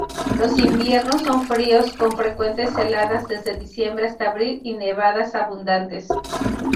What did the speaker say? Los inviernos son fríos, con frecuentes heladas desde diciembre hasta abril y nevadas abundantes.